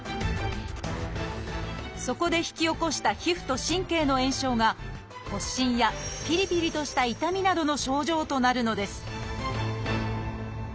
そこで引き起こした皮膚と神経の炎症が発疹やピリピリとした痛みなどの症状となるのです